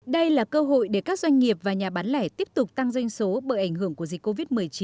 đây là cơ hội để các doanh nghiệp và nhà bán lẻ tiếp tục tăng doanh số bởi ảnh hưởng của dịch covid một mươi chín